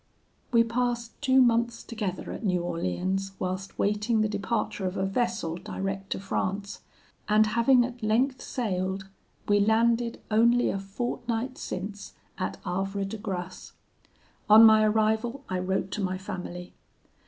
"We passed two months together at New Orleans whilst waiting the departure of a vessel direct to France; and having at length sailed, we landed only a fortnight since at Havre de Grace. On my arrival I wrote to my family.